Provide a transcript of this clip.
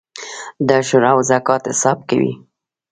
د عشر او زکات حساب کوئ؟